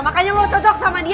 makanya lo cocok sama dia